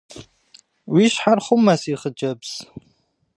Уи щхьэр хъумэ, си хъыджэбз.